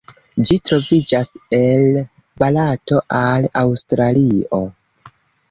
Ĝi troviĝas el Barato al Aŭstralio.